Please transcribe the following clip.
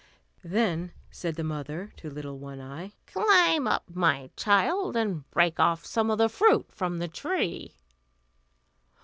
Then said the mother to little One Eye, "Climb up, my child, and break off some of the fruit from the tree."